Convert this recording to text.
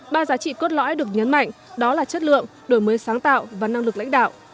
ba giá trị cốt lõi được nhấn mạnh đó là chất lượng đổi mới sáng tạo và năng lực lãnh đạo